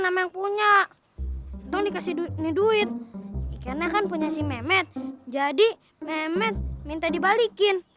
namanya punya dong dikasih duit duit karena kan punya si mehmet jadi mehmet minta dibalikin